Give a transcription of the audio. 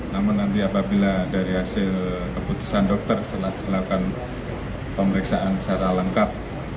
namun nanti apabila dari hasil keputusan dokter setelah dilakukan pemeriksaan secara lengkap